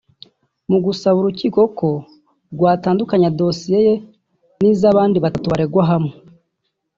Mu gusaba Urukiko ko rwatandukanya dosiye ye n’iz’abandi batatu baregwa hamwe